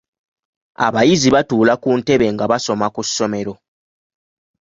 Abayizi batuula ku ntebe nga basoma ku ssomero.